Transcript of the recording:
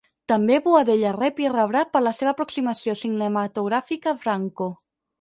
També Boadella rep i rebrà per la seva aproximació cinematogràfica a Franco.